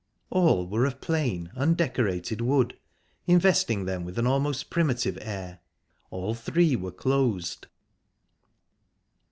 All were of plain, undecorated wood, investing them with an almost primitive air. All three were closed.